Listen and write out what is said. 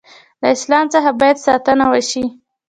له اسلام څخه باید ساتنه وشي.